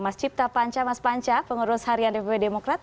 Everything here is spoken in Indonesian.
mas cipta panca mas panca pengurus harian dpp demokrat